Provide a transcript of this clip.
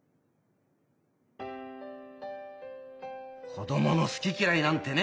子どもの好き嫌いなんてね。